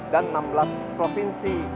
dan enam belas provinsi